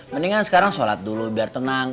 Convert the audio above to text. mendingan sekarang sholat dulu biar tenang